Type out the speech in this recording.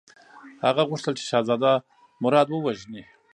هغه غوښتل چې شهزاده مراد ووژني.